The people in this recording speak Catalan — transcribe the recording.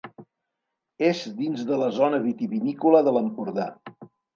És dins de la zona vitivinícola de l'Empordà.